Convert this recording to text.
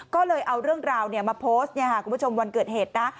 ก็เลยเอาเรื่องราวมาโพสต์คุณผู้ชมวันเกิดเหตุนะ